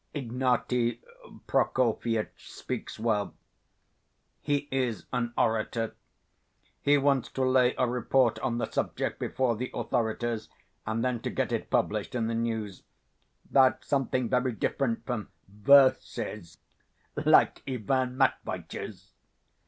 Ignaty Prokofyitch speaks well. He is an orator. He wants to lay a report on the subject before the authorities, and then to get it published in the News. That's something very different from verses like Ivan Matveitch's...."